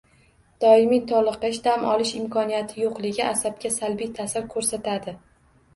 Doimiy toliqish, dam olish imkoniyati yo‘qligi asabga salbiy ta’sir ko‘rsatadi.